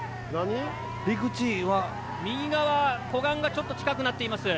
右側湖岸がちょっと近くなっています。